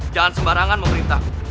jangan sembarangan memerintahku